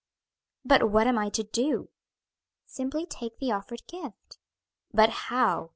'" "But what am I to do?" "Simply take the offered gift." "But how?